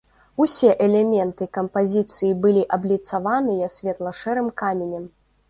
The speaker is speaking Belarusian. Усе элементы кампазіцыі былі абліцаваныя светла-шэрым каменем.